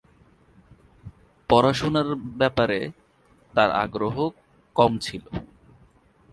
পড়াশুনার ব্যাপারে তার আগ্রহ কম ছিল।